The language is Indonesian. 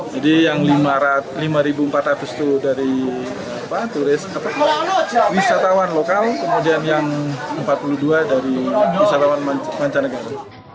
jadi yang lima empat ratus itu dari turis wisatawan lokal kemudian yang empat puluh dua dari wisatawan mancanegara